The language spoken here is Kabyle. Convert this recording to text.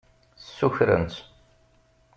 Ssukren-tt.